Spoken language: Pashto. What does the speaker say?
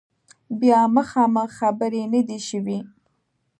بیا مخامخ خبرې نه دي شوي